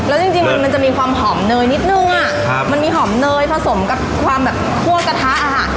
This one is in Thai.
แล้วจริงมันมันจะมีความหอมเนยนิดนึงอ่ะครับมันมีหอมเนยผสมกับความแบบคั่วกระทะอ่ะค่ะ